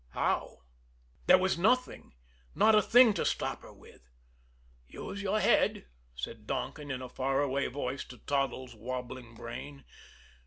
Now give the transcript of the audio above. How? There was nothing not a thing to stop her with. "Use your head," said Donkin in a far away voice to Toddles' wobbling brain.